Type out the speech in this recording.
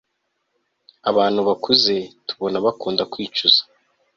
abantu bakuze tubona bakunda kwicuza